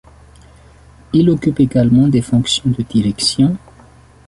Il occupe également des fonctions de direction.